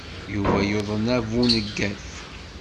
Yuba yuḍen abuneggaf.